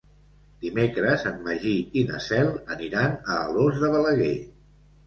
Dimecres en Magí i na Cel aniran a Alòs de Balaguer.